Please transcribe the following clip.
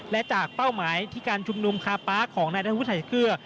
และจากเป้าหมายที่การชุมนุมคาป๊าของนายธรรมพุทธศักดิ์เชื้อ